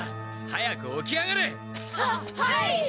早く起き上がれ！ははい！